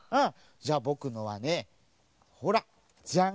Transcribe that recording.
じゃあぼくのはねほらジャン！